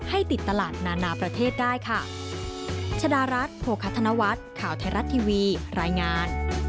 ให้ติดตลาดนานาประเทศได้ค่ะ